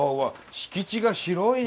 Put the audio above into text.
敷地が広いね。